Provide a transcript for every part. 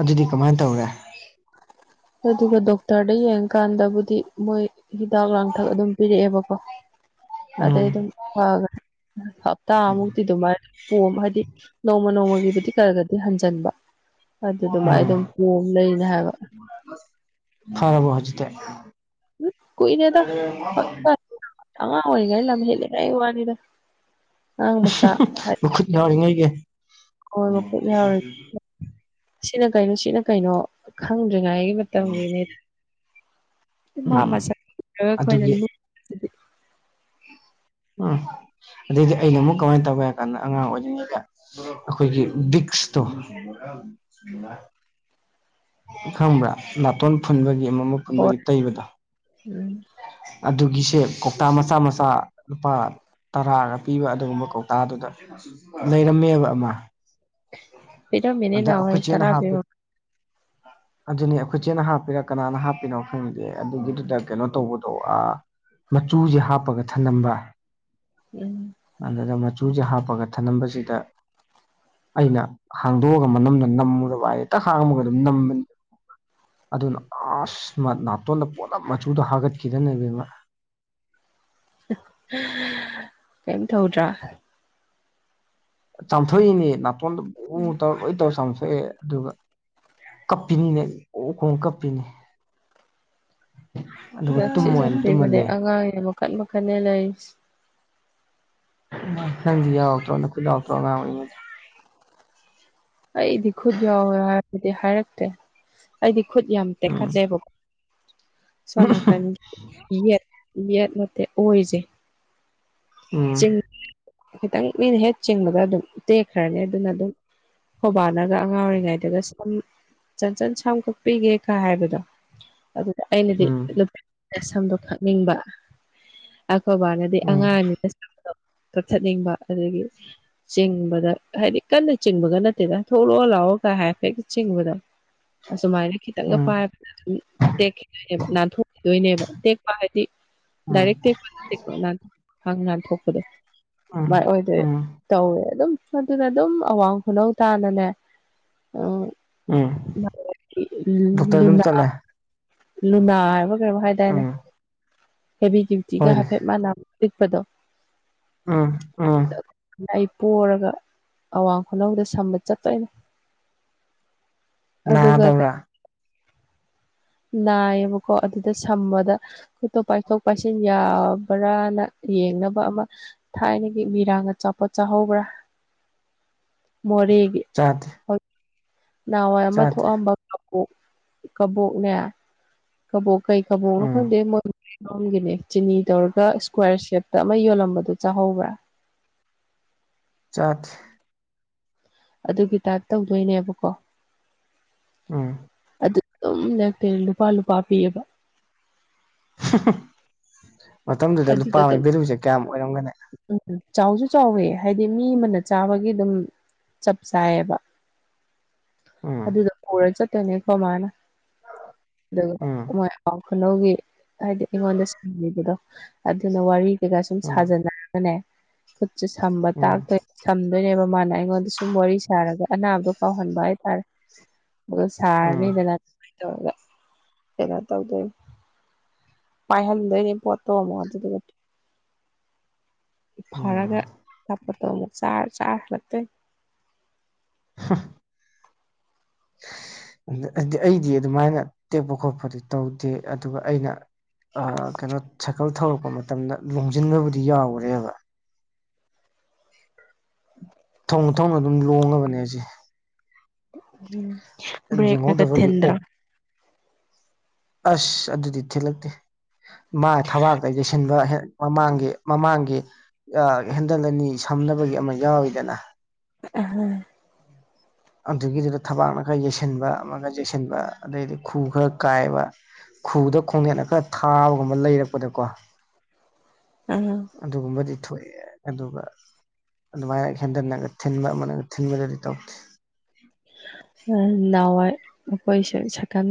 ꯑꯗꯨꯗꯤ ꯀꯃꯥꯏ ꯇꯧꯔꯦ ꯑꯗꯨꯒ ꯗꯣꯛꯇꯔꯗ ꯌꯦꯡꯀꯥꯟꯗꯕꯨꯗꯤ ꯃꯣꯏ ꯍꯤꯗꯥꯛ ꯂꯥꯡꯊꯛ ꯑꯗꯨꯝ ꯄꯤꯔꯛꯑꯦꯕꯀꯣ ꯑꯗꯩ ꯑꯗꯨꯝ ꯎꯝ ꯐꯒꯔꯦ ꯍꯞꯇꯥꯃꯨꯛꯇꯤ ꯑꯗꯨꯃꯥꯏ ꯄꯣꯝꯕ ꯍꯥꯏꯗꯤ ꯅꯣꯡꯃ ꯅꯣꯡꯃꯒꯤꯕꯨꯗꯤ ꯈꯔ ꯈꯔꯗꯤ ꯍꯟꯖꯟꯕ ꯑꯗꯨꯃꯥꯏ ꯑꯗꯨꯝ ꯎꯝ ꯄꯣꯝ ꯂꯩꯅꯦ ꯍꯥꯏꯕ ꯐꯔꯕꯣ ꯍꯧꯖꯤꯛꯇꯤ ꯀꯨꯏꯔꯦꯗ [unintelligible] ꯑꯉꯥꯛ ꯑꯣꯏꯔꯤꯉꯩ ꯂꯝ ꯍꯦꯂꯤꯉꯩ ꯋꯥꯅꯤꯗ ꯑꯉꯥꯡ ꯃꯆꯥ ꯎꯝꯍꯨꯝꯍꯨꯝ ꯃꯈꯠ ꯌꯥꯎꯔꯤꯉꯩꯒꯤ ꯍꯣꯏ ꯃꯈꯨꯠ ꯌꯥꯎꯔꯤꯉꯩꯢꯒꯤ ꯁꯤꯅ ꯀꯩꯅꯣ ꯁꯤꯅ ꯀꯩꯅꯣ ꯈꯪꯗ꯭ꯔꯤꯉꯩꯏꯒꯤ ꯃ ꯃꯇꯝꯒꯤꯅꯦꯗ ꯃꯥ ꯎꯝ ꯃꯁꯛ [unintelligible] ꯑꯈꯣꯏꯅ ꯑꯗꯨꯒꯤ ꯅꯣꯛ ꯎꯝ ꯑꯗꯨꯗꯤ ꯑꯩꯅ ꯑꯃꯨꯛ ꯀꯃꯥꯏ ꯇꯧꯋꯦ ꯍꯥꯏ ꯀꯥꯟꯗ ꯑꯉꯥꯡ ꯑꯣꯏꯔꯤꯉꯩꯗ ꯑꯈꯣꯏꯒꯤ ꯕꯤꯛꯁꯇꯣ ꯈꯪꯕ꯭ꯔꯥ ꯅꯥꯇꯣꯟ ꯐꯨꯟꯕꯒꯤ ꯑꯃꯨꯛ ꯃꯨꯛ ꯐꯨꯟꯕꯒꯤ ꯍꯣꯏ ꯇꯩꯕꯗꯣ ꯎꯝ ꯑꯗꯨꯒꯤꯁꯦ ꯀꯧꯇꯥ ꯃꯆꯥ ꯃꯆꯥ ꯂꯨꯄꯥ ꯇꯔꯥꯒ ꯄꯤꯕ ꯑꯗꯨꯒꯨꯝꯕ ꯀꯧꯇꯥꯗꯨꯗ ꯂꯩꯔꯝꯃꯦꯕ ꯑꯃ ꯑꯗ ꯑꯩꯈꯣꯏ ꯄꯤꯔꯝꯃꯦꯅꯦꯅꯥꯍꯟꯋꯥꯏ ꯇꯔꯥꯄꯤꯕ ꯑꯗꯨꯅꯦ ꯑꯈꯣꯏ ꯆꯦꯅ ꯍꯥꯞꯄꯤꯔ ꯀꯅꯥꯅ ꯍꯥꯞꯄꯤꯅꯣ ꯈꯪꯗꯦ ꯑꯗꯨꯒꯤꯗꯨꯗ ꯀꯩꯅꯣ ꯇꯧꯕꯗꯣ ꯑ ꯃꯆꯨꯁꯦ ꯍꯥꯞꯄꯒ ꯊꯅꯝꯕ ꯎꯝ ꯑꯗꯨꯗ ꯃꯆꯨꯁꯦ ꯍꯥꯞꯄꯒ ꯊꯅꯝꯕꯁꯤꯗ ꯑꯩꯅ ꯍꯥꯡꯗꯣꯛꯑꯒ ꯃꯅꯝꯅ ꯅꯝꯃꯨꯔꯕ ꯍꯥꯏ ꯍꯦꯛꯇ ꯍꯥꯡꯕꯒ ꯑꯗꯨꯝ ꯅꯝꯕꯅꯤ ꯑꯗꯨꯅ ꯑꯁ ꯅꯥꯇꯣꯟꯗ ꯄꯨꯂꯞ ꯃꯆꯨꯗꯣ ꯍꯥꯒꯠꯈꯤꯗꯅ ꯏꯕꯦꯃ ꯀꯩꯝ ꯇꯧꯗ꯭ꯔꯥ ꯆꯥꯝꯊꯣꯛꯏꯅꯦ ꯅꯥꯇꯣꯟꯗ ꯎ ꯎꯝ ꯇꯧꯔ ꯂꯣꯏ ꯇꯧꯔ ꯆꯥꯝꯊꯣꯛꯑꯦ ꯑꯗꯨꯒ ꯀꯞꯄꯤꯅꯤꯅꯦ ꯑꯣ ꯈꯣꯡ ꯀꯞꯄꯤꯅꯤ ꯑꯗꯨꯒ ꯇꯨꯝ ꯖꯥꯊꯤ ꯑꯣꯏꯅ ꯖꯥꯊꯤꯕꯅꯦ ꯇꯨꯝꯍꯜꯂꯦ ꯑꯉꯥꯡꯅꯦ ꯃꯈꯟ ꯃꯈꯜꯅꯦ ꯂꯩꯔꯤꯁꯦ ꯅꯪꯗꯤ ꯌꯥꯎꯇ꯭ꯔꯣ ꯃꯈꯨꯠ ꯌꯥꯎꯇ꯭ꯔꯣ ꯑꯉꯥꯡ ꯑꯣꯏꯔꯤꯉꯩ ꯑꯩꯗꯤ ꯈꯨꯠ ꯌꯥꯎꯋꯦ ꯍꯥꯏꯔꯕꯗꯤ ꯍꯥꯏꯔꯛꯇꯦ ꯑꯩꯗꯤ ꯈꯨꯠ ꯌꯥꯝ ꯇꯦꯛꯈꯠꯂꯦꯕꯀꯣ ꯁꯣꯅꯥꯀꯟꯒꯤ ꯌꯦꯠ ꯌꯦꯠ ꯅꯠꯇꯦ ꯑꯣꯏꯖꯦ ꯎꯝ ꯆꯤꯡ ꯈꯤꯇꯪ ꯃꯤꯅ ꯍꯦꯛ ꯆꯤꯡꯕꯗ ꯑꯗꯨꯝ ꯇꯦꯛꯈ꯭ꯔꯅꯤ ꯑꯗꯨꯅ ꯑꯗꯨꯝ ꯍꯣꯕꯥꯅꯒ ꯑꯉꯥꯡ ꯑꯣꯏꯔꯤꯉꯩꯗꯒ ꯁꯝ ꯆꯟꯆꯟ ꯁꯝ ꯀꯛꯄꯤꯒꯦꯒ ꯍꯥꯏꯕꯗꯣ ꯑꯩꯅꯗꯤ ꯎꯝ ꯅꯨꯄꯥ ꯁꯝꯗꯣ ꯈꯥꯛꯅꯤꯡꯕ ꯑꯈꯣꯕꯥꯅ ꯗꯤ ꯎꯝ ꯑꯉꯥꯡꯅꯤꯅ ꯀꯛꯊꯠꯅꯤꯡꯕ ꯑꯗꯒꯤ ꯆꯤꯡꯕꯗ ꯍꯥꯏꯗꯤ ꯀꯟꯅ ꯆꯤꯡꯕꯒ ꯅꯠ ꯅꯠꯇꯦꯗ ꯑꯗꯨꯗ ꯊꯣꯛꯂꯛꯑꯣ ꯂꯥꯛꯑꯣꯒ ꯍꯥꯏꯐꯦꯠ ꯆꯤꯡꯕꯗꯣ ꯑꯁꯨꯃꯥꯏꯅ ꯎꯝ ꯈꯤꯇꯪꯒ ꯎꯝ ꯄꯥꯏꯕ ꯇꯦꯛꯈꯤꯗꯣꯏꯅꯦꯕ ꯅꯥꯟꯊꯣꯛꯈꯤꯗꯣꯏꯅꯦꯕ ꯇꯦꯛꯄ ꯍꯥꯏꯗꯤ ꯗꯏꯔꯦ ꯎꯝ ꯇꯦꯛꯄ ꯅꯠꯇꯦꯀꯣ ꯍꯪ ꯅꯥꯟ ꯊꯣꯛꯄꯗꯣ ꯥꯑꯗꯨꯃꯥꯏ ꯎꯝ ꯑꯣꯏꯇꯧꯋꯦ ꯎꯝ ꯇꯧꯋꯦ ꯑꯗꯨꯝ ꯑꯗꯨꯅ ꯑꯗꯨꯝ ꯑꯋꯥꯡ ꯈꯨꯅꯧ ꯇꯥꯅꯅꯦ ꯎꯝ ꯗꯣꯛꯇꯔ ꯑꯗꯨꯝ [unintelligible] ꯆꯠꯂꯦ ꯂꯨꯅꯥ ꯍꯥꯏꯕ ꯀꯩꯅꯣꯝ ꯍꯥꯏꯗꯥꯏꯅꯦ ꯎꯝ ꯍꯦꯚꯤꯗ꯭ꯌꯨꯇꯤꯒ ꯍꯣꯏꯅꯦ ꯍꯥꯏꯐꯦꯠ ꯃꯥꯟꯅꯕ ꯄꯤꯛꯄꯗꯣ ꯑꯥ ꯑꯥ ꯑꯩ ꯄꯣꯔꯒ ꯑꯋꯥꯡ ꯈꯨꯅꯧꯗ ꯁꯝꯕ ꯆꯠꯇꯣꯏꯅꯦ ꯑꯗꯨꯒ ꯅꯥꯗꯕ꯭ꯔꯥ ꯅꯥꯌꯦꯕꯀꯣ ꯑꯗꯨꯗ ꯁꯝꯕꯗ ꯈꯨꯠꯇꯣ ꯄꯥꯏꯊꯣꯛ ꯄꯥꯏꯁꯤꯟ ꯌꯥꯕ꯭ꯔꯅ ꯌꯦꯡꯅꯕ ꯑꯃ ꯊꯥꯏꯅꯒꯤ ꯃꯤꯔꯥꯡ ꯑꯆꯥꯄꯣꯠ ꯆꯥꯍꯧꯕ꯭ꯔꯥ ꯃꯣꯔꯦꯒꯤ ꯆꯥꯗꯦ ꯅꯍꯥꯟꯋꯥꯏ ꯑꯃ ꯆꯥꯗꯦ ꯊꯣꯛꯑꯝꯕ ꯀꯣꯛ ꯀꯕꯣꯛꯅꯦ ꯀꯕꯣ ꯀꯩ ꯀꯥꯕꯣꯛꯅꯣ ꯈꯪꯗꯦ ꯎꯝ ꯒꯤꯅꯦ ꯆꯤꯅꯤ ꯇꯧꯔꯒ ꯁꯀ꯭ꯋꯥꯔ ꯁꯦꯞꯇ ꯑꯃ ꯌꯣꯜꯂꯝꯕꯗꯣ ꯆꯥꯍꯧꯕ꯭ꯔꯥ ꯆꯗꯦ ꯑꯗꯨꯒꯤ ꯇꯥꯏꯞ ꯇꯧꯗꯣꯏꯅꯦꯕꯀꯣ ꯎꯝ ꯑꯗꯨ ꯑꯗꯨꯝ ꯅꯛꯇꯦ ꯂꯨꯄꯥ ꯂꯨꯄꯥ ꯄꯤꯑꯕ ꯃꯇꯝꯗꯨꯗ ꯂꯨꯄꯥ ꯑꯗꯨꯗ ꯑꯗꯨꯝ ꯑꯃꯒꯤ ꯚꯦꯂꯨꯁꯦ ꯀꯌꯥꯝ ꯑꯣꯏꯔꯝꯒꯅꯤ ꯎꯝ ꯆꯥꯎꯁꯨ ꯆꯥꯎꯋꯦ ꯍꯥꯏꯗꯤ ꯃꯤ ꯑꯃꯅ ꯆꯥꯕꯒꯤ ꯑꯗꯨꯝ ꯆꯞ ꯆꯥꯏꯕ ꯎꯝ ꯑꯗꯨꯗ ꯆꯠꯇꯅꯤ ꯈꯣꯏꯃꯥꯅ ꯎꯝ [unintelligible] ꯈꯨꯅꯧꯒꯤ ꯍꯥꯏꯗꯤ ꯑꯩꯉꯣꯟꯗ ꯁꯤꯕꯤꯕꯗꯣ ꯑꯗꯨꯅ ꯋꯥꯔꯤ ꯀꯩꯀꯥ ꯁꯨꯝ ꯎꯝ ꯁꯥꯖꯅ ꯅꯦ ꯈꯨꯠꯁꯦ ꯁꯝꯕ ꯎꯝ ꯇꯥꯛꯇꯣꯏ ꯁꯝꯗꯣꯏꯅꯦꯕ ꯃꯥꯅ ꯑꯩꯉꯣꯟꯗ ꯁꯨꯝ ꯋꯥꯔꯤ ꯁꯥꯔꯒ ꯑꯅꯥꯕ ꯀꯥꯎꯍꯟꯕ ꯍꯥꯏꯇꯥꯔꯦ ꯑꯗꯨ ꯎꯝ ꯁꯥꯔꯅꯤꯗꯅ ꯑꯗꯨꯃꯥꯏꯅ ꯇꯧꯔꯒ ꯀꯩꯅꯣ ꯇꯧꯗꯣꯏ ꯄꯥꯏꯍꯟꯗꯣꯏꯅꯦ ꯄꯣꯠꯇꯣꯃꯣ ꯑꯗꯨꯗꯨꯒ ꯐꯔꯒ ꯎꯝ ꯀꯞꯄꯣꯠꯇꯣ ꯑꯃꯨꯛ ꯆꯔꯥ ꯆꯔꯥ ꯍꯜꯂꯛꯇꯦ [unintelligible] ꯑꯩꯗꯤ ꯑꯗꯨꯃꯥꯏꯅ ꯇꯦꯛꯄ ꯈꯣꯠꯄꯗꯤ ꯇꯧꯗꯦ ꯑꯗꯨꯒ ꯑꯩꯅ ꯀꯩꯅꯣ ꯁꯥꯏꯀꯜ ꯊꯧꯔꯛꯄ ꯃꯇꯝꯗ ꯂꯣꯡꯁꯤꯟꯕꯕꯨꯗꯤ ꯌꯥꯎꯒꯔꯦꯕ [unintelligible] ꯊꯧꯅ ꯊꯧꯅ ꯑꯗꯨꯝ ꯂꯣꯡꯉꯕꯅꯦ ꯑꯩꯁꯦ ꯕꯔꯦꯛ ꯅꯒ ꯌꯦꯡꯍꯧꯗꯕꯒꯤ ꯊꯤꯟꯗ꯭ꯔꯥ ꯑꯣꯛ ꯑꯁ ꯑꯗꯨꯗꯤ ꯊꯤꯂꯛꯇꯦ ꯃꯥ ꯊꯕꯥꯛꯇ ꯌꯩꯁꯤꯟꯕ ꯃꯃꯥꯡꯒꯤ ꯃꯃꯥꯡꯒꯤ ꯍꯦꯟꯗꯜꯂꯅꯤ ꯁꯝꯅꯕꯒꯤ ꯑꯃ ꯌꯥꯎꯋꯤꯗꯅ [unintelligible] ꯑꯗꯨꯒꯤꯗꯨꯗ ꯊꯕꯥꯛꯅ ꯈꯔ ꯌꯩꯁꯤꯟꯕ ꯑꯃꯒ ꯌꯩꯁꯤꯟꯕ ꯑꯗꯩꯗꯤ ꯈꯨ ꯈꯔ ꯀꯥꯏꯕ ꯈꯨꯗ ꯈꯣꯡꯅꯦꯠꯅ ꯈꯔ ꯊꯥꯕꯒꯨꯝꯕ ꯂꯩꯔꯛꯄꯗꯀꯣ ꯎꯝ ꯑꯗꯨꯒꯨꯝꯕꯗꯤ ꯊꯣꯛꯑꯦ ꯑꯗꯨꯒ ꯑꯗꯨꯃꯥꯏꯅ ꯏꯊꯟꯗ ꯊꯤꯟꯕ ꯑꯃꯒ ꯊꯤꯟꯕꯗꯨꯗꯤ ꯇꯧꯗꯦ ꯅꯋꯥꯏ ꯑꯩꯈꯣꯏꯁꯦ ꯁꯥꯏꯀꯟ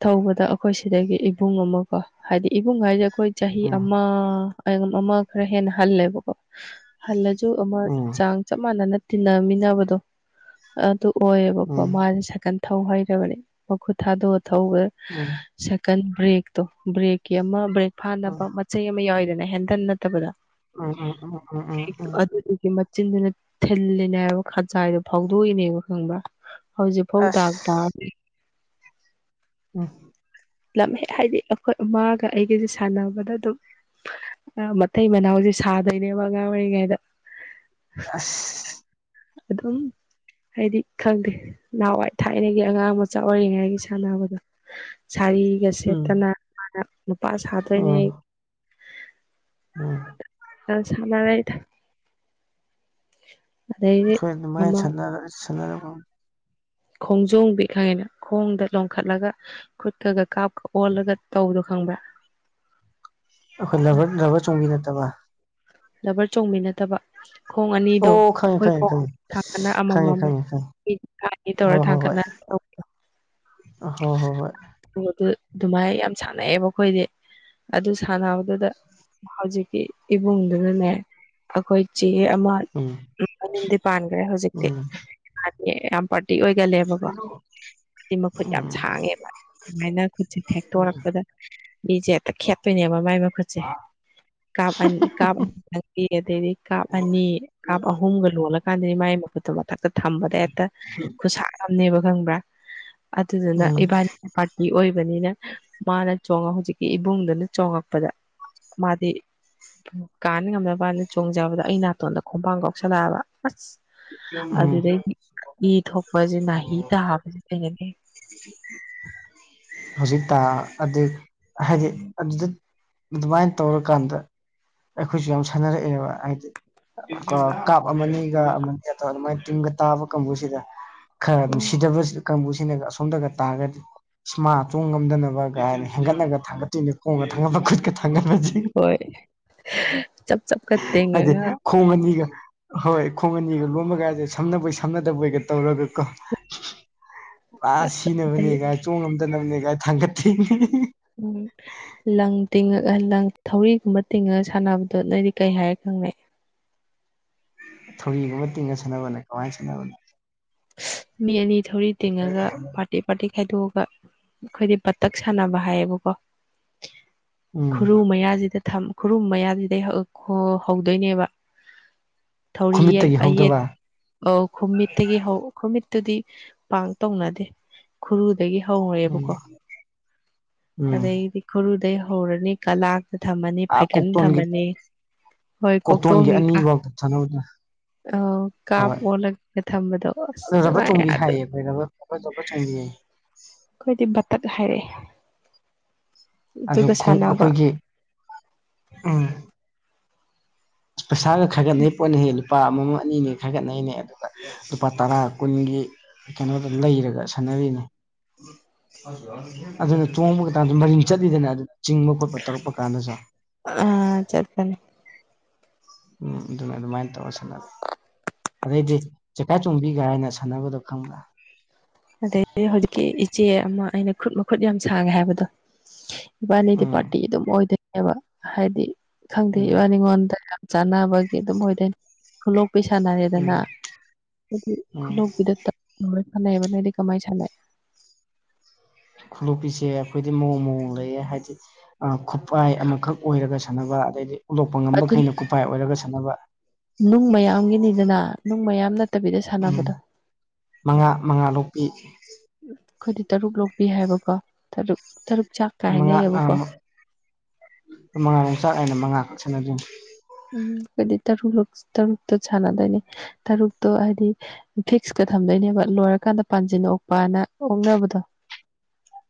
ꯊꯧꯕꯗ ꯑꯩꯈꯣꯏ ꯁꯤꯗꯒꯤ ꯏꯕꯨꯡ ꯑꯃ ꯀꯣ ꯍꯥꯏꯗꯤ ꯏꯕꯨꯡ ꯍꯥꯏꯁꯦ ꯑꯩꯈꯣꯏ ꯆꯍꯤ ꯎꯝ ꯑꯃ ꯑꯃ ꯈꯔ ꯍꯦꯟꯅ ꯍꯜꯂꯦꯕꯀꯣ ꯍꯜꯂꯁꯨ ꯑꯃ ꯎꯝ ꯆꯥꯡ ꯆꯞ ꯃꯥꯟꯅꯅ ꯇꯤꯟꯅꯃꯤꯟꯅꯕꯗꯣ ꯑꯗꯨ ꯑꯣꯏꯌꯦꯕꯀꯣ ꯎꯝ ꯃꯥꯁꯦ ꯁꯀꯟ ꯊꯧ ꯍꯩꯔꯕꯅꯦ ꯃꯈꯨꯠ ꯊꯥꯗꯣꯛꯑ ꯊꯧꯕ ꯎꯝ ꯁꯦꯀꯟ ꯕ꯭ꯔꯦꯛꯇꯣ ꯕ꯭ꯔꯦꯛꯀꯤ ꯑꯃ ꯕ꯭ꯔꯦꯛ ꯐꯥꯅꯕ ꯆꯩ ꯑꯃ ꯌꯥꯎꯋꯤꯗꯅ ꯍꯦꯟꯗꯟ ꯅꯠꯇꯕꯗ ꯎꯝ ꯎꯝ ꯎꯝ ꯎꯝ ꯎꯝ ꯎꯝ ꯎꯝ ꯑꯗꯨꯗꯨꯒꯤ ꯆꯤꯟꯗꯨꯅ ꯊꯤꯜꯂꯤꯅꯦ ꯍꯥꯏꯕ ꯈꯖꯥꯏꯗꯣ ꯐꯥꯎꯗꯣꯛꯏꯅꯦꯕ ꯈꯪꯕ꯭ꯔꯥ ꯍꯧꯖꯤꯠꯐꯧ ꯑꯁ ꯗꯥꯛ ꯇꯔꯥ [unintelligible] ꯂꯝꯍꯦꯛ ꯍꯥꯏꯗꯤ ꯑꯩꯈꯣꯏ ꯃꯥꯒ ꯑꯩꯒꯁꯦ ꯁꯥꯟꯅꯕꯗ ꯑꯗꯨꯝ ꯃꯇꯊꯩ ꯃꯅꯥꯎꯁꯦ ꯁꯥꯗꯣꯏꯅꯦꯕ ꯑꯉꯥꯡ ꯑꯣꯏꯔꯤꯉꯩꯗ ꯑꯁ ꯑꯗꯨ ꯑꯗꯨꯝ ꯍꯥꯏꯗꯤ ꯈꯪꯗꯦ ꯅꯍꯥꯟꯋꯥꯏ ꯊꯥꯏꯔꯤꯉꯒꯤ ꯑꯉꯥꯡ ꯃꯆꯥ ꯑꯣꯏꯔꯤꯉꯩꯒꯤ ꯁꯥꯟꯅꯕꯗꯣ ꯁꯥꯔꯤꯒ ꯎꯝ ꯁꯦꯠꯇꯅ ꯃꯥꯅ ꯅꯨꯄꯥ ꯁꯥꯗꯣꯏꯅꯦ ꯑꯣ ꯆ ꯆꯗ ꯑꯗꯩꯗꯤ ꯑꯩꯈꯣꯏ ꯑꯗꯨꯃꯥꯏ ꯑꯃ ꯁꯅꯔ ꯁꯥꯟꯅꯔ ꯈꯣꯡꯖꯣꯝ ꯄꯛ ꯈꯪꯉꯤꯅ ꯈꯣꯡꯗ ꯂꯣꯈꯠꯂꯒ ꯈꯨꯠꯀꯒ ꯀꯥꯞꯀ ꯑꯣꯜꯂꯒ ꯇꯧꯗꯣ ꯈꯪꯕ꯭ꯔ ꯑꯩꯈꯣꯏ ꯂꯕ ꯆꯣꯡꯕꯤ ꯅꯠꯇꯕ ꯗꯕꯔ ꯆꯣꯡꯕꯤ ꯅꯠꯇꯕ ꯈꯣꯡ ꯑꯅꯤꯗꯣ ꯑꯣ ꯈꯪꯉꯦ ꯑꯩꯈꯣꯏ ꯈꯪꯉꯦ ꯈꯣꯡ ꯈꯪꯉꯦ ꯊꯗꯅ ꯈꯪꯉꯦ ꯑꯃꯃꯝ ꯈꯪꯉꯦ ꯈꯪꯉꯦ ꯇꯧꯔ ꯍꯣꯏ ꯍꯣꯏ ꯊꯥꯡꯒꯠꯅ ꯍꯣꯏ ꯍꯣꯏ ꯍꯣꯏ ꯑꯗꯨꯃꯥꯏꯅ ꯌꯥꯝ ꯁꯥꯟꯅꯩꯑꯦꯕ ꯑꯩꯈꯣꯏꯗꯤ ꯑꯗꯨ ꯁꯥꯟꯅꯕꯗꯨꯗ ꯍꯧꯖꯤꯛꯀꯤ ꯏꯕꯨꯡꯗꯨꯅꯅꯦ ꯑꯩꯈꯣꯏ ꯆꯦ ꯑꯃ ꯎꯝ ꯃꯅꯤꯗꯤ ꯄꯥꯟꯈ꯭ꯔꯦ ꯍꯧꯖꯤꯛꯇꯤ ꯌꯥꯝ ꯄꯥꯔꯇꯤ ꯑꯣꯏꯒꯜꯂꯦꯕꯀꯣ ꯈꯨꯠ ꯌꯥꯝ ꯎꯝ ꯁꯥꯡꯉꯦꯕ ꯑꯗꯨꯃꯥꯏꯅ ꯈꯨꯠꯁꯦ ꯊꯦꯛꯇꯣꯔꯛꯄꯗ ꯃꯤꯦ ꯈꯦꯌꯥꯇꯣꯏꯅꯤ ꯑ ꯃꯥꯏ ꯃ ꯈ ꯑ ꯀ ꯀꯥ ꯑꯗꯩꯗꯤ ꯀꯥꯞ ꯑꯅꯤ ꯀꯥꯞ ꯑꯍꯨꯝꯒ ꯂꯣꯜꯂ ꯀꯥꯟꯗꯗꯤ ꯃꯥꯒꯤ ꯃꯈꯨꯠꯇꯨ ꯃꯊꯛꯇ ꯊꯝꯕꯗ ꯍꯦꯛꯇ ꯈꯨꯠꯁꯥꯝꯅꯦꯕ ꯈꯪꯕ꯭ꯔꯥ ꯎꯝ ꯑꯗꯨꯅ ꯎꯝ ꯏꯕꯅꯤ ꯄꯥꯔꯇꯤ ꯑꯣꯏꯕꯅꯤꯅ ꯃꯥꯅ ꯆꯣꯡꯉ ꯍꯧꯖꯤꯛꯀꯤ ꯏꯕꯨꯡꯗꯨꯅ ꯆꯣꯉꯛꯄꯗ ꯃꯥꯗꯤ ꯀꯥꯅ ꯉꯝꯅꯕꯅ ꯆꯣꯡꯖꯕꯗꯣ ꯑꯩ ꯅꯥꯇꯣꯟꯗ ꯈꯣꯡꯕꯥꯥꯡ ꯀꯧꯁꯜꯂꯛꯑꯕ ꯑꯁ ꯎꯝ ꯑꯗꯨꯗꯒꯤ ꯏ ꯊꯣꯛꯄꯁꯦ ꯅꯥꯍꯤꯤ ꯇꯥꯕꯁꯦ ꯀꯩꯅꯅꯦ [inaudible] ꯍꯧꯖꯤꯇꯥ ꯑꯗꯨ ꯍꯥꯏꯗꯤ ꯑꯗꯨꯗ ꯑꯗꯨꯃꯥꯏꯅ ꯇꯧꯔꯀꯥꯟꯗ ꯑꯩꯈꯣꯏꯁꯨ ꯌꯥꯝ ꯁꯥꯟꯅꯔꯛꯑꯦꯕ ꯍꯥꯏꯗꯤ ꯀꯥꯞ ꯑꯃꯅꯤꯒ ꯑꯃꯅꯤꯒ ꯑꯗꯨꯃꯥꯏꯅ ꯇꯤꯡꯒ ꯇꯥꯕ ꯀꯥꯡꯕꯨꯁꯤꯗ ꯈꯔ ꯅꯨꯡꯁꯤꯗꯕ ꯀꯥꯡꯕꯨꯁꯤꯅꯒ ꯑꯁꯣꯝꯗꯒ ꯇꯥꯔꯒꯗꯤ ꯏꯁꯃꯥ ꯆꯣꯡ ꯉꯝꯗꯅꯕ ꯀꯥꯏꯅ ꯍꯦꯟꯒꯠꯂꯒ ꯊꯥꯡꯒꯠꯇꯣꯏꯅꯦ ꯈꯣꯡꯒ ꯊꯥꯡꯒꯠꯄ ꯈꯨꯠꯀ ꯊꯥꯡꯒꯠꯄꯁꯦ ꯍꯣꯏ ꯆꯞ ꯆꯞ ꯀ ꯇꯦ ꯉ ꯍꯥꯏꯗꯤ ꯈꯣꯡ ꯑꯅꯤꯒ ꯍꯣꯏ ꯈꯣꯡ ꯑꯅꯤꯒ ꯂꯣꯃꯒꯥꯏꯗꯦ ꯁꯝꯅꯅꯕꯣꯏ ꯁꯝꯅꯗꯕꯣꯏꯒ ꯇꯧꯔꯒ ꯀꯣ [inaudible] ꯄꯨꯔꯥ ꯑꯗꯩ ꯁꯤꯅꯕꯅꯦꯒꯥꯏ ꯆꯣꯡꯉꯝꯗꯅꯕꯅꯦꯒꯥꯏ ꯊꯥꯡꯒꯠ ꯊꯦꯡꯅꯤ ꯎꯝ ꯂꯪ ꯇꯤꯡꯉꯒ ꯂꯪ ꯊꯧꯔꯤꯒꯨꯝꯕ ꯇꯤꯡꯉꯒ ꯁꯥꯟꯅꯕꯗꯣ ꯅꯣꯏꯗꯤ ꯀꯩ ꯍꯥꯏꯔ ꯈꯪꯅꯩ ꯊꯧꯔꯤꯒꯨꯝꯕ ꯇꯤꯡꯉꯒ ꯁꯥꯟꯅꯕꯅꯦ ꯀꯃꯥꯏꯅ ꯁꯥꯟꯅꯕꯅꯣ ꯃꯤ ꯑꯅꯤ ꯊꯧꯔꯤ ꯇꯤꯡꯉꯒ ꯄꯥꯔꯇꯤ ꯄꯥꯔꯇꯤ ꯈꯥꯏꯗꯣꯛꯑꯒ ꯑꯩꯈꯣꯏꯗꯤ ꯄꯇꯛ ꯁꯥꯟꯅꯕ ꯍꯥꯏꯌꯦꯕꯀꯣ ꯎꯝ ꯈꯨꯔꯨ ꯃꯌꯥꯁꯤꯗ ꯈꯨꯔꯨ ꯃꯌꯥꯁꯤꯗꯩ ꯍꯧꯗꯣꯏꯅꯦꯕ ꯊꯧꯔꯤꯌꯦꯜ ꯈꯨꯃꯤꯠꯇꯒꯤ ꯑꯌꯦꯠ ꯍꯧꯗꯕ ꯑ ꯈꯨꯨꯝꯃꯤꯠꯇꯒꯤ ꯍꯧ ꯈꯨꯨꯝꯃꯤꯠꯇꯨꯗꯤ ꯄꯥꯡ ꯇꯧꯅꯗꯦ ꯈꯨꯔꯨꯗꯒꯤ ꯎꯝ ꯍꯧꯔꯦꯕꯀꯣ ꯎꯝ ꯑꯗꯩꯗꯤ ꯒꯨꯔꯨꯗꯩ ꯍꯧꯔꯅꯤ ꯀꯂꯥ ꯊꯝꯃꯅꯤ ꯑꯥ ꯐꯥꯏꯀꯜ ꯀꯣꯛꯇꯣꯟꯒꯤ ꯊꯝꯃꯅꯤ ꯍꯣꯏ ꯀꯣꯛꯇꯣꯟꯒꯤ ꯀꯣꯛꯇꯣꯡꯒꯤꯀ ꯑꯅꯤꯐꯥꯎꯗ ꯁꯥꯟꯅꯕꯗ ꯑ ꯀꯥꯞ ꯑꯣꯜꯂꯒ ꯊꯝꯕꯗꯣ ꯑꯁ ꯑꯔꯕ ꯅꯨꯡꯉꯥꯏ ꯆꯣꯡꯕꯤ ꯑꯗꯨ ꯍꯥꯏꯌꯦ ꯐꯔꯕ ꯆꯣꯡꯕꯤ ꯍꯥꯏꯌꯦ ꯑꯩꯈꯣꯏꯗꯤ ꯕꯇꯠ ꯍꯥꯏꯔꯛꯑꯦ ꯑꯗꯨꯒ ꯑꯗꯨꯣꯡ ꯁꯥꯟꯅꯕ ꯑꯩꯈꯣꯏꯒꯤ ꯎꯝ ꯄꯩꯁꯥꯒ ꯈꯪꯒꯅꯤꯄꯣꯅꯤ ꯍꯦꯜꯂꯨ ꯂꯨꯄꯥ ꯑꯃꯃꯝ ꯑꯅꯤꯅꯤ ꯈꯥꯏꯒꯠꯅꯩꯅꯦ ꯑꯗꯨꯒ ꯂꯨꯄꯥ ꯇꯔꯥ ꯀꯨꯟꯒꯤ ꯀꯩꯅꯣꯗꯝ ꯂꯩꯔꯒ ꯁꯥꯟꯅꯔꯤꯅꯦ ꯑꯗꯨꯅ ꯆꯣꯡꯕ ꯀꯥꯟꯁꯨ ꯃꯔꯤꯡ ꯆꯠꯂꯤꯗꯅ ꯑꯗꯨ ꯆꯤꯡꯕ ꯈꯣꯠꯄ ꯇꯧꯔꯛꯄ ꯀꯥꯟꯗꯁꯨ ꯑ ꯆꯠꯄꯅꯤ ꯎꯝ ꯑꯗꯨꯝ ꯑꯗꯨ ꯃꯥꯏꯅ ꯇꯧꯉꯁꯅꯦ ꯑꯗꯩꯗꯤ ꯆꯀꯥ ꯆꯣꯡꯕꯤꯒ ꯍꯥꯏꯅ ꯁꯥꯟꯅꯕꯗꯣ ꯈꯪꯕ꯭ꯔꯥ ꯑꯗꯗꯒꯤꯗꯤ ꯍꯧꯖꯤꯛꯀꯤ ꯏꯆꯦ ꯑꯃ ꯑꯩꯅ ꯈꯨꯠ ꯃꯈꯨꯠ ꯌꯥꯝ ꯁꯥꯡꯉꯦ ꯍꯥꯏꯕꯗꯣ ꯏꯕꯥꯅꯤꯗꯤ ꯎꯝ ꯄꯥꯔꯇꯤ ꯑꯗꯨꯝ ꯑꯣꯏꯗꯣꯏꯅꯦꯕ ꯍꯥꯏꯗꯤ ꯈꯪꯗꯦ ꯎꯝ ꯏꯕꯥꯅꯤꯉꯣꯟꯗ ꯆꯅꯥꯕꯒꯤ ꯑꯗꯨꯝ ꯑꯣꯏꯣꯏꯗꯣꯏꯅꯦ ꯈꯨꯂꯣꯛꯄꯤ ꯁꯥꯟꯅꯔꯦꯗꯅ ꯎꯝ ꯍꯥꯏꯗꯤ ꯎꯝ ꯈꯨꯂꯣꯛꯄꯤꯗꯔ ꯁꯥꯟꯅꯩꯕ ꯅꯣꯏꯗꯤ ꯀꯃꯥꯏ ꯁ ꯈꯨꯂꯣꯛꯄꯤꯁꯦ ꯑꯩꯈꯣꯏꯗꯤ ꯃꯑꯣꯡ ꯃꯑꯣꯡ ꯂꯩꯌꯦ ꯍꯥꯏꯗꯤ ꯈꯨꯠꯄꯥꯏ ꯑꯃꯈꯛ ꯑꯣꯏꯔꯒꯁꯨ ꯁꯥꯟꯅꯕ ꯑꯗꯩꯗꯤ ꯎꯠꯂꯣꯛꯄ ꯑꯗꯨ ꯉꯝꯕꯈꯩꯅ ꯎꯄꯥꯏ ꯑꯣꯏꯔꯒ ꯁꯥꯟꯅꯕ ꯅꯨꯡ ꯃꯌꯥꯝꯒꯤꯅꯤꯗꯅ ꯅꯨꯡ ꯃꯌꯥꯝꯅ ꯠꯇꯕꯤꯗ ꯎꯝ ꯁꯥꯟꯅꯕꯗ ꯃꯉꯥ ꯃꯉꯥ ꯂꯣꯛꯄꯤ ꯑꯩꯈꯣꯏꯗꯤ ꯇꯔꯨꯛ ꯂꯧꯕꯤ ꯍꯥꯏꯕꯀꯣꯨꯛ ꯇꯔꯨꯛ ꯆꯥꯛ ꯃꯉꯥ ꯃꯉꯥꯔꯣꯝ ꯆꯥꯛ ꯍꯥꯏꯏꯅ ꯃꯉꯥꯛ ꯁꯥꯟꯟꯅꯗ꯭ꯣꯏꯅꯤ ꯎꯝ ꯍꯥꯏꯗꯤ ꯇꯔ ꯂ ꯇꯔꯛꯇꯣ ꯆꯗꯦꯅꯦ ꯇꯔ ꯎꯛꯇꯣ ꯍꯥꯏꯗꯤ ꯐꯤꯛꯁꯀ ꯊꯝꯗꯣꯏꯅꯦꯕ ꯂꯣꯏꯔꯀꯥꯟꯗ ꯄꯥꯟꯁꯤꯟ ꯑꯣꯛꯄꯅ ꯑꯣꯛꯅꯕꯗꯣ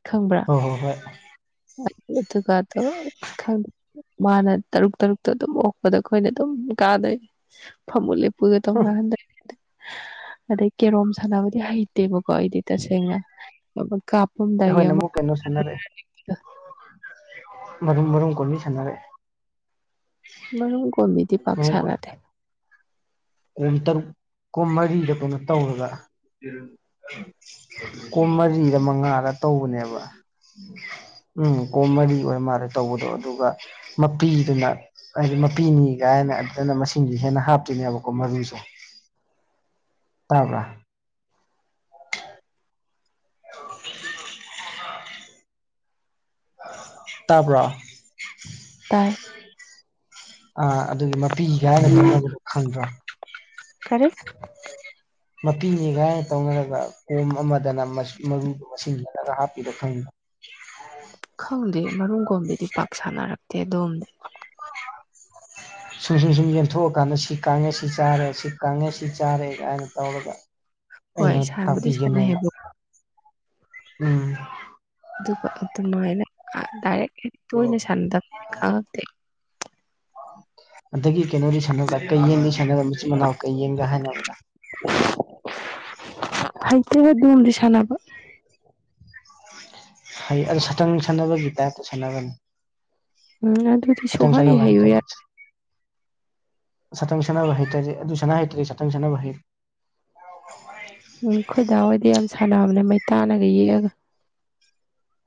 ꯈꯝꯕ ꯍꯣꯏ ꯍꯣꯏ ꯍꯣꯏ ꯑꯗꯨꯒꯗꯣ ꯑ ꯈ ꯃꯥꯅ ꯇꯔꯨꯛ ꯇꯔꯨꯛꯇ ꯑꯗꯨꯝ ꯑꯣꯛ ꯑꯗꯣ ꯑꯩꯈꯣꯏꯅ ꯑꯗꯨꯝ ꯀꯥꯗꯣꯏꯩ ꯐꯝꯃꯨꯠ ꯂꯦꯞꯄꯨꯒ ꯇꯧꯅꯍꯟꯗꯣꯏꯅꯦ ꯑꯗꯩ ꯀꯦꯔꯣꯝ ꯁꯥꯟꯅꯕꯗꯤ ꯍꯩꯇꯦꯕꯀꯣ ꯑꯩꯗꯤ ꯇꯁꯦꯡꯅ ꯀꯥꯞꯄꯝꯗꯥꯏꯒꯤ ꯍꯣꯏ ꯅ ꯑꯃ ꯑꯃꯨꯛ ꯀꯩꯅꯣ ꯁꯥꯟꯅꯔꯑꯦ ꯃꯔꯨꯝ ꯃꯔꯨꯝ ꯀꯣꯕꯤ ꯁꯥꯟꯅꯔꯛꯑꯦ ꯃꯔꯝ ꯀꯣꯃꯤꯗꯤ ꯄꯥꯛꯁꯔꯗꯦ ꯀꯟ ꯇꯔꯨꯛ ꯀꯨꯟ ꯃꯔꯤꯗ ꯀꯩꯅꯣ ꯇꯧꯔꯒ ꯀꯣ ꯃꯔꯤꯗ ꯃꯉꯥꯗ ꯇꯧꯕꯅꯦꯕ ꯎꯝ ꯀꯣꯃꯂꯤ ꯑꯣꯏ ꯃꯥꯜꯂꯦ ꯇꯧꯕꯗꯣ ꯑꯗꯨꯒ ꯃꯄꯤꯗꯨꯅ ꯍꯥꯏꯗꯤ ꯃꯄꯤꯅꯤ ꯀꯥꯏꯅ ꯑꯗꯨꯗꯅ ꯃꯁꯤꯡꯁꯤ ꯍꯦꯟꯅ ꯍꯥꯞꯇꯣꯏꯅꯦꯕ ꯀꯃꯔꯅꯤꯁꯣ ꯇꯥꯕ꯭ꯔꯥ ꯇꯕ꯭ꯔꯣ ꯇꯥꯏ ꯑꯥ ꯑꯗꯨꯒꯤ ꯃꯄꯤꯒꯥꯏꯅꯕꯗꯣ ꯈꯪꯗ꯭ꯔꯣ ꯈꯔꯦ ꯃꯄꯤꯅꯦꯒꯥꯏꯅ ꯇꯧꯅꯔꯒ ꯀꯣꯝ ꯑꯃꯗꯅ ꯃꯔꯨꯗꯨꯣ ꯃꯁꯤꯡ ꯈꯜꯂꯒ ꯍꯥꯞꯄꯤꯔ ꯈꯪꯉ ꯈꯪꯗꯦ ꯃꯔꯨꯝ ꯀꯣꯝꯕꯤꯗꯤ ꯄꯥꯛ ꯁꯥꯟꯅꯔꯛꯇꯦ ꯑꯗꯣꯝꯅꯦ ꯁꯨꯝ ꯁꯨꯝ ꯁꯨꯝ ꯌꯦꯟꯊꯣꯛꯑꯀꯥꯟꯗ ꯁꯤ ꯀꯥꯡꯉꯁꯤ ꯆꯥꯔꯦ ꯁꯤ ꯀꯥꯡꯉꯁꯤ ꯆꯥꯔꯦ ꯀꯥꯏꯅ ꯇꯧꯔꯒ ꯍꯣꯏ ꯅ ꯁꯥꯟꯕꯨꯗꯤ ꯇꯥꯄꯤꯒꯅ ꯁꯥꯟꯅꯩꯌꯦꯕꯀꯣ ꯎꯝ ꯑꯗꯨꯒ ꯑꯗꯨꯃꯥꯏꯅꯔ ꯑꯣ ꯑꯗꯒꯤ ꯀꯩꯅꯣꯗꯤ ꯁꯥꯟꯅꯕ ꯀꯩ ꯌꯦꯡꯒ ꯁꯥꯟꯅꯕ ꯃꯆꯤꯟ ꯃꯅꯥꯎ ꯀꯩ ꯌꯦꯡꯒꯥ ꯍꯥꯏꯅꯕꯗꯣ ꯍꯥꯏꯥꯏꯇꯒ ꯣꯟ ꯂꯤ ꯁꯅꯅꯕ ꯍꯩ ꯑꯗꯨ ꯁꯇꯪ ꯁꯥꯟꯅꯕꯒꯤ ꯇꯥꯏꯞꯇ ꯁꯥꯟꯅꯕꯅꯤ ꯎꯝ ꯑꯗꯨꯗꯤ ꯑꯇꯁꯅ ꯁꯨꯍꯩ ꯃꯥꯥꯏ ꯍꯩꯌꯨ ꯇ ꯌꯥꯏ ꯁꯇꯪ ꯁꯅꯥ ꯍꯥꯏꯔ ꯇꯦ ꯑꯗꯨꯁꯅꯥ ꯍꯥꯏ ꯇꯔꯦ ꯁꯇꯪ ꯁꯅꯥꯅꯕꯍꯤꯔ [unintelligible] ꯎꯝ ꯈꯣꯏꯗꯥ ꯍꯣꯏꯗꯤ ꯌꯥꯝ ꯁꯥꯟꯅꯕꯅꯦ ꯃꯩ ꯇꯥꯅꯒ ꯌꯦꯛꯑꯒ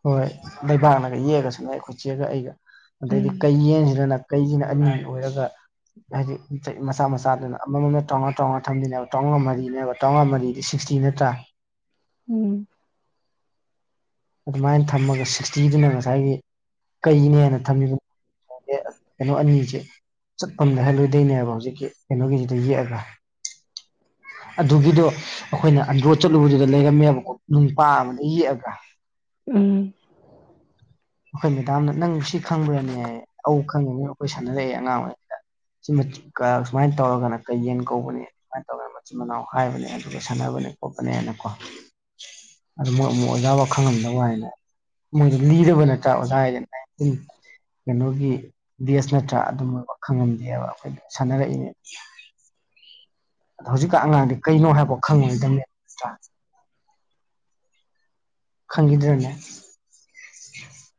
ꯍꯣꯏ ꯂꯩꯕꯥꯛꯅꯒ ꯌꯦꯛꯑꯒꯁꯨ ꯅ ꯑꯩꯈꯣꯏꯠꯆꯦꯛꯒ ꯑꯩꯒ ꯑꯗꯩꯗꯤ ꯎꯝ ꯀꯩ ꯌꯦꯟꯁꯤꯅꯅ ꯀꯩꯁꯤꯅ ꯑꯅꯤ ꯑꯣꯏꯔꯒ ꯍꯥꯏꯗꯤ ꯃꯆꯥ ꯃꯆꯥꯗꯨꯅ ꯑꯃꯃꯝ ꯆꯥꯝꯃꯉꯥꯝꯉꯥ ꯊꯝꯗꯅꯦꯕ ꯆꯥꯝꯃꯉꯥ ꯃꯔꯤꯅꯦꯕ ꯆꯥꯝꯃꯉꯥ ꯃꯔꯤꯗꯤ ꯁꯤꯛꯁꯇꯤ ꯅꯠꯇ꯭ꯔꯥ ꯎꯝ ꯑꯗꯨꯃꯥꯏꯅ ꯊꯝꯃꯒ ꯁꯤꯛꯁꯇꯤꯗꯨꯅ ꯉꯁꯥꯏꯒꯤ ꯀꯩꯅꯦꯅ ꯊꯝꯃꯤꯕ ꯀꯩꯅꯣ ꯑꯅꯤꯁꯦ ꯆꯠꯐꯝꯗ ꯍꯥꯏꯂꯣꯏꯗꯣꯏꯅꯦꯕ ꯍꯧꯖꯤꯛꯀꯤ ꯀꯩꯅꯣꯒꯤꯁꯤꯗ ꯌꯦꯛꯑꯒ ꯑꯗꯨꯒꯤꯗꯣ ꯑꯩꯈꯣꯏꯅ ꯑꯟꯗ꯭ꯔꯣ ꯆꯠꯂꯨꯕꯗꯨꯗ ꯂꯩꯔꯝꯃꯦꯕꯀꯣ ꯅꯨꯅꯨꯡꯄꯥ ꯑꯃꯅ ꯌꯦꯛꯑꯒ ꯎꯝ ꯑꯩꯈꯣꯏ ꯃꯦꯗꯥꯝꯅ ꯅꯪꯕꯨ ꯁꯤ ꯈꯪꯕ꯭ꯔꯅꯦ ꯑ ꯈꯪꯉꯤꯅꯤ ꯑꯩꯈꯣꯏ ꯁꯥꯟꯅꯔꯛꯏꯦ ꯑꯉꯥꯡ ꯑꯣꯏꯔꯤꯉꯩꯗ ꯁꯤꯃ ꯁꯨꯃꯥꯏꯅ ꯇꯧꯔꯒꯅ ꯀꯩ ꯌꯦꯟ ꯀꯧꯕꯅꯤ ꯁꯨꯃꯥꯏꯅ ꯇꯧꯔꯒꯅ ꯃꯆꯤꯟ ꯃꯅꯥꯎ ꯍꯥꯏꯕꯅꯦ ꯑꯗꯨꯒ ꯁꯥꯟꯅꯕꯅꯦ ꯈꯣꯠꯄꯅꯦꯅꯀꯣ ꯑ ꯃꯣꯏ ꯑꯃꯨꯛ ꯑꯣꯖꯥ ꯋꯥꯈꯪꯍꯝꯗꯧ ꯍꯥꯏꯅ ꯃꯣꯏꯗ ꯂꯤꯗꯕ ꯅꯠꯇꯦ ꯑꯣꯖꯥꯏ ꯀꯩꯅꯣꯒꯤ ꯕꯦꯁ ꯅꯠꯇ꯭ꯔꯥ ꯑꯗꯨꯝ ꯑꯣꯏꯕ ꯈꯪꯉꯝꯗꯦꯕ ꯑꯩꯈꯣꯏ ꯁꯥꯟꯅꯔꯛꯏꯅꯦ [unintelligible] ꯑꯗꯣ ꯍꯧꯖꯤꯛꯀ ꯑꯉꯥꯡꯗꯤ ꯀꯩꯅꯣ ꯍꯥꯏꯕꯣ ꯈꯪꯉꯣꯏꯗꯕꯅꯦꯕ ꯅ꯭ꯔ ꯈꯪꯈꯤꯗ꯭ꯔꯅꯦ ꯎ [unintelligible]